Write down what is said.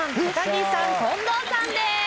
木さん近藤さんです。